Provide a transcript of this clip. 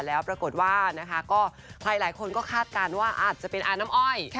แล้วปรากฏว่านะคะก็ใครหลายคนก็คาดการณ์ว่าอาจจะเป็นอาน้ำอ้อย